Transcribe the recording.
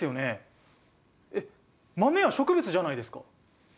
えっ豆は植物じゃないですか。